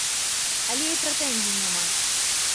Але і прэтэнзій няма!